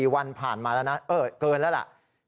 วันผ่านมาแล้วนะเกินแล้วล่ะ